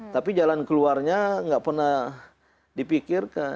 tapi jalan keluarnya nggak pernah dipikirkan